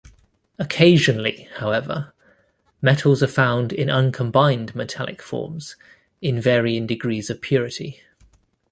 Occasionally, however, metals are found in uncombined metallic forms, in varying degrees of purity.